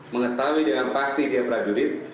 mengetahui dengan pasti dia prajurit